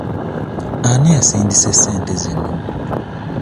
Ani asindise ssente zino?